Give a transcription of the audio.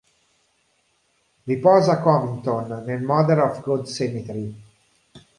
Riposa a Covington, nel "Mother of God Cemetery".